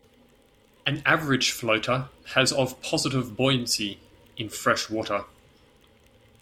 An average floater has of positive buoyancy in fresh water.